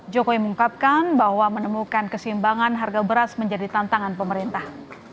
jokowi mengungkapkan bahwa menemukan kesimbangan harga beras menjadi tantangan pemerintah